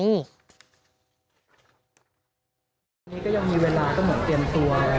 ตอนนี้ก็ยังมีเวลาต้องเหมาะเตรียมตัว